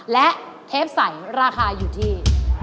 และเทปใสราคาอยู่ที่